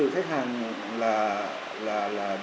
khách hàng là